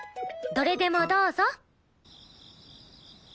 どれでもどうぞ。